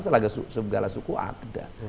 selagi segala suku ada